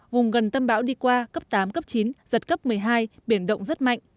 vùng gần tâm bão đi qua cấp tám cấp chín giật cấp một mươi hai biển động rất mạnh